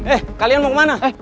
eh kalian mau kemana